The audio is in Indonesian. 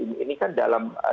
ini kan dalam